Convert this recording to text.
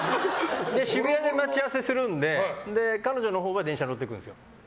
渋谷で待ち合わせするので彼女のほうは電車に乗ってくるんですよ。